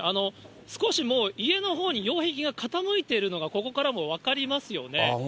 少しもう、家のほうに擁壁が傾いているのが、ここからも分かりますよね。